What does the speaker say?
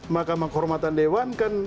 mahkamah kehormatan dewan kan